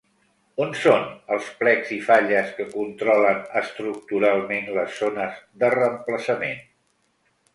On són els plecs i falles que controlen estructuralment les zones de reemplaçament?